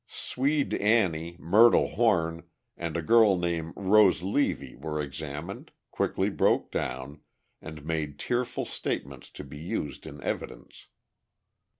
Swede Annie, Myrtle Horn and a girl named Rose Levy were examined, quickly broke down, and made tearful statements to be used in evidence.